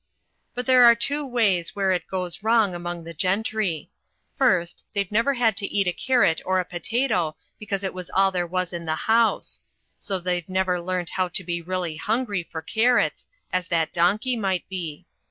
But there are two ways where it goes wrong among the gentry. First, they've never had to eat a carrot or a potato because it was all there was in the house ; so they've never learnt how to be really hungry for car rots, as that donkey might be.